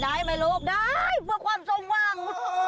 ได้เพราะความส้มวง